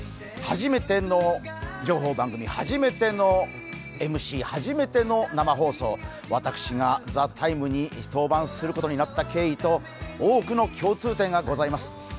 初めての情報番組初めてのＭＣ初めての生放送私が「ＴＨＥＴＩＭＥ，」に登板することになった経緯と多くの共通点がございます。